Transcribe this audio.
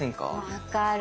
分かる。